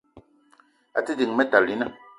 A te ding Metalina